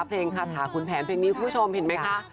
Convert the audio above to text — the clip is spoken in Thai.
เพลงคาถาขุนแผนเพลงนี้คุณผู้ชมเห็นไหมคะ